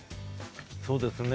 そうですね。